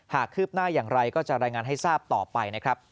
คืบหน้าอย่างไรก็จะรายงานให้ทราบต่อไปนะครับ